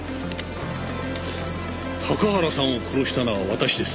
「高原さんを殺したのは私です。